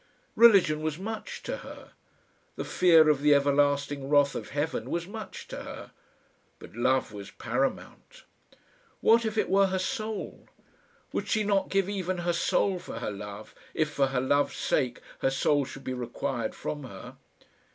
Religion was much to her; the fear of the everlasting wrath of Heaven was much to her; but love was paramount! What if it were her soul? Would she not give even her soul for her love, if, for her love's sake, her soul should be required from her?